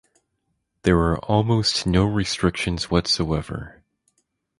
there are almost no restrictions whatsoever.